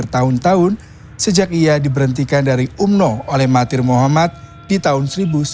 bertahun tahun sejak ia diberhentikan dari umno oleh matir muhammad di tahun seribu sembilan ratus sembilan puluh